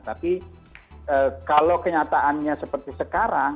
tapi kalau kenyataannya seperti sekarang